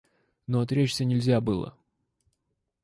Но отречься нельзя было.